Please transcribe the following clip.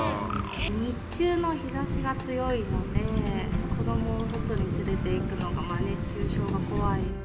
日中の日ざしが強いので、子どもを外に連れていくと、熱中症が怖い。